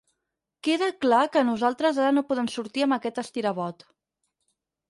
Queda clar que nosaltres ara no podem sortir amb aquest estirabot.